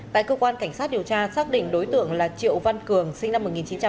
tại cơ quan cảnh sát điều tra xác định đối tượng là triệu văn cường sinh năm một nghìn chín trăm tám mươi